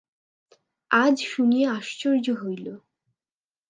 আজ শুনিয়া আশ্চর্য হইল।